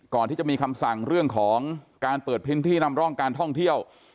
ก่อนที่จะมีคำสั่งเรื่องของการเปิดพื้นที่นำร่องการท่องเที่ยว